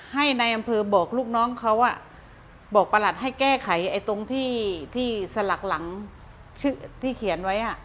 ให้นายอำเภอบอกลูกน้องเขาบอกประหลัดให้แก้ไขตรงที่สลักหลังชื่อที่เขียนไว้